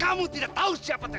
kamu tidak tahu siapa